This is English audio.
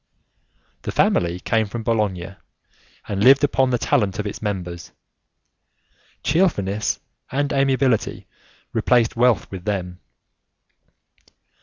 The family came from Bologna and lived upon the talent of its members; cheerfulness and amiability replaced wealth with them.